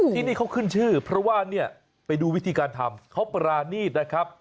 ที่นี่เขาขึ้นชื่อเพราะว่าเนี่ยไปดูวิธีการทำเขาปรานีตนะครับ